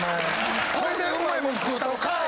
これでうまいもん食うたろかい！